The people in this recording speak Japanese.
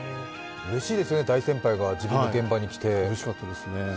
うれしいですね、大先輩が自分の現場に来て。